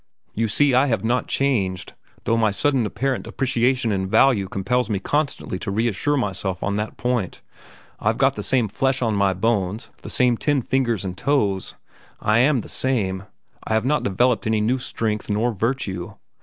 You see I have not changed, though my sudden apparent appreciation in value compels me constantly to reassure myself on that point. I've got the same flesh on my bones, the same ten fingers and toes. I am the same. I have not developed any new strength nor virtue.